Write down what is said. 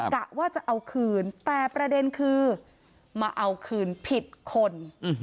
กะว่าจะเอาคืนแต่ประเด็นคือมาเอาคืนผิดคน